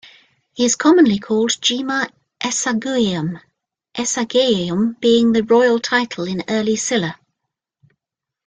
He is commonly called Jima Isageum, "isageum" being the royal title in early Silla.